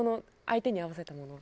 相手に合わせたもの？